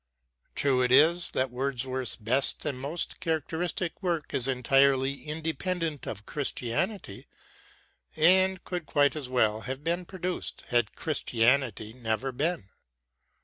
True it is that Wordsworth's best and most charac teristic work is entirely independent of Chris tianity, and could quite as well have been produced had Christianity never been.